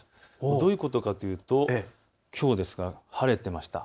どういうことかというと、きょうですが晴れていました。